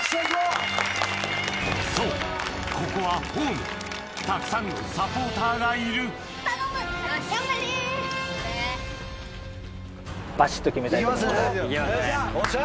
そうここはホームたくさんのサポーターがいるよっしゃ！